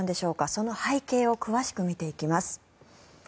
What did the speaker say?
その背景を詳しく見ていきます。